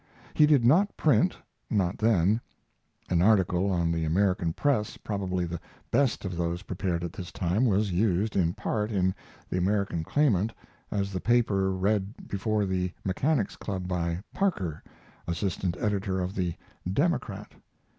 He did not print not then [An article on the American press, probably the best of those prepared at this time, was used, in part, in The American Claimant, as the paper read before the Mechanics' Club, by "Parker," assistant editor of the 'Democrat'.